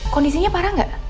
kondisinya parah gak